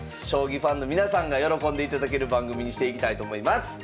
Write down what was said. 将棋ファンの皆さんが喜んでいただける番組にしていきたいと思います！